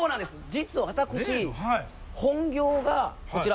実は私本業がこちら。